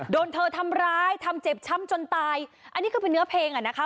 โดนเธอทำร้ายทำเจ็บช้ำจนตายอันนี้คือเป็นเนื้อเพลงอ่ะนะคะ